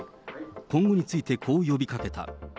今後について、こう呼びかけた。